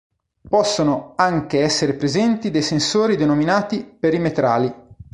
Possono anche essere presenti dei sensori denominati "perimetrali".